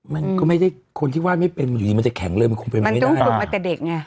มันก็ไม่ได้คนที่วาดไม่เป็นมันอยู่ดีมันจะแข็งเลยมันคงเป็นมันต้องฝึกมาแต่เด็กไง